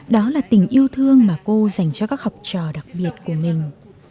đó là tình yêu thương mà cô dành cho các học trò đặc biệt của mình